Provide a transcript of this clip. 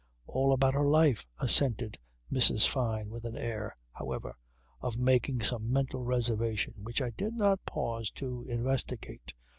"All about her life," assented Mrs. Fyne with an air, however, of making some mental reservation which I did not pause to investigate.